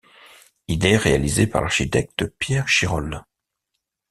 Il est réalisé par l'architecte Pierre Chirol.